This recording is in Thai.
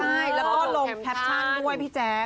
ใช่แล้วก็ลงแคปชั่นด้วยพี่แจ๊ค